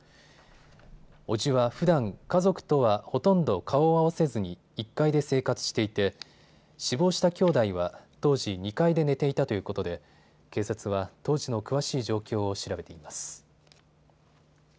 伯父はふだん家族とはほとんど顔を合わせずに１階で生活していて死亡した兄弟は当時、２階で寝ていたということで警察は当時の詳しい状況を調べています。